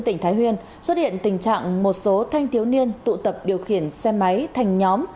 tỉnh thái nguyên xuất hiện tình trạng một số thanh thiếu niên tụ tập điều khiển xe máy thành nhóm